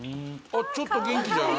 ちょっと元気じゃない？